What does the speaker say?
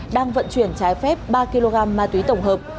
đang vận chuyển trái phép ba kg ma túy tổng hợp